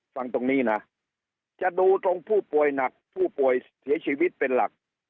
ฟังตรงนี้นะจะดูตรงผู้ป่วยหนักผู้ป่วยเสียชีวิตเป็นหลัก